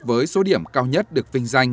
với số điểm cao nhất được vinh danh